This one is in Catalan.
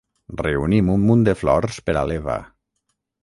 Reunim un munt de flors per a l'Eva.